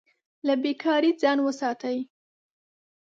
له بې کارۍ ځان وساتئ.